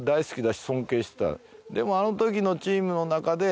でもあのときのチームの中で。